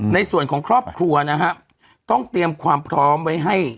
ในส่วนของครอบครัวนะฮะต้องเตรียมความพร้อมไว้ให้